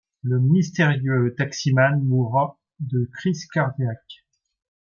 Le mystérieux taximan mourra de crise cardiaque.